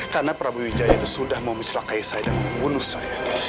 karena prabu wijaya itu sudah memeclakai saya dan membunuh saya